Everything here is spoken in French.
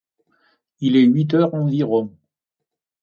Il est huit heures environ.